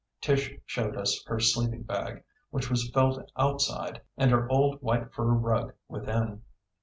Tish showed us her sleeping bag, which was felt outside and her old white fur rug within.